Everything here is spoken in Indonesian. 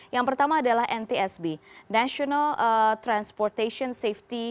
yang pertama adalah ntsb national transportation safety